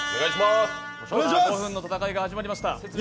５分の戦いが始まりました。